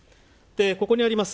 ここにあります